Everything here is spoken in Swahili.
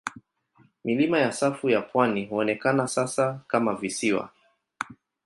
Milima ya safu ya pwani huonekana sasa kama visiwa.